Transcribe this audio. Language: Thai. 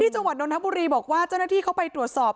จังหวัดนทบุรีบอกว่าเจ้าหน้าที่เข้าไปตรวจสอบ